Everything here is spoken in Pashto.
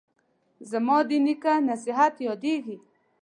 زما د نیکه نصیحت یادیږي